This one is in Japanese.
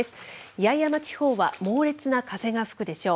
八重山地方は猛烈な風が吹くでしょう。